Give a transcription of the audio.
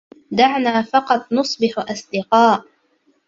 دعنا فقط نصبح أصدقاء.